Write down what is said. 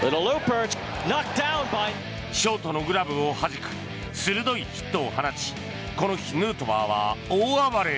ショートのグラブをはじく鋭いヒットを放ちこの日、ヌートバーは大暴れ。